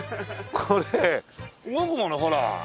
これ動くものほら。